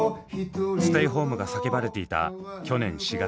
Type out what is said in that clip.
ステイホームが叫ばれていた去年４月。